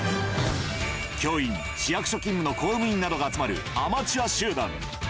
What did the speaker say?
教員、市役所勤務の公務員などが集まるアマチュア集団。